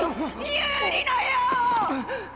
ユーリのよ！